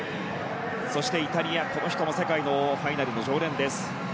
そしてイタリアこの人も世界のファイナルの常連です。